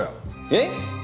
えっ？